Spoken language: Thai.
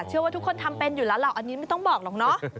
เชื่อว่าทุกคนทำเป็นอยู่แล้วล่ะอันนี้ไม่ต้องบอกหรอกเนาะ